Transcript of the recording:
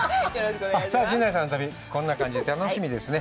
陣内さんの旅、こんな感じ、楽しみですね。